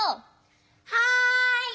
はい！